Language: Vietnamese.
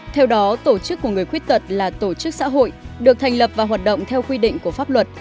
theo đó tổ chức của người khuyết tật là tổ chức xã hội được thành lập và hoạt động theo quy định của pháp luật